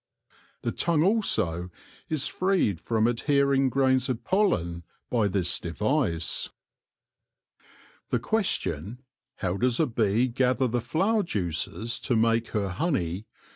The tongue also is freed from ad hering grains of pollen by this device. A ROMANCE OF ANATOMY 105 The question, How does a bee gather the flower juices to make her honey